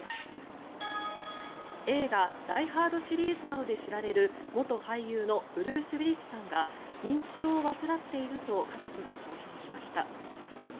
映画「ダイ・ハード」シリーズなどで知られる元俳優のブルース・ウィリスさんが認知症を患っていると家族が公表しました。